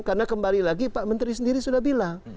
karena kembali lagi pak menteri sendiri sudah bilang